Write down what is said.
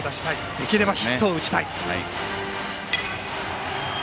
できればヒットを打ちたい。